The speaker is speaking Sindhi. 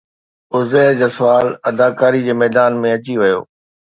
عزير جسوال اداڪاري جي ميدان ۾ اچي ويو